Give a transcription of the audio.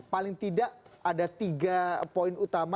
paling tidak ada tiga poin utama